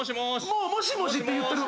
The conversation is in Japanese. もう「もしもし」って言ってる！